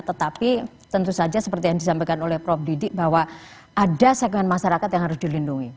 tetapi tentu saja seperti yang disampaikan oleh prof didik bahwa ada segmen masyarakat yang harus dilindungi